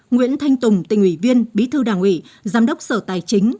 nguyễn thanh tùng tỉnh ủy viên bí thư đảng ủy giám đốc sở tài chính